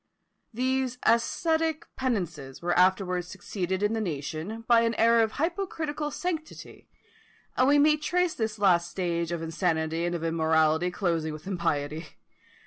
These ascetic penances were afterwards succeeded in the nation by an era of hypocritical sanctity; and we may trace this last stage of insanity and of immorality closing with impiety.